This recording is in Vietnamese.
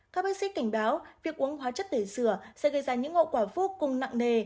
các bác sĩ cảnh báo việc uống hóa chất tầy dừa sẽ gây ra những ngộ quả vô cùng nặng nề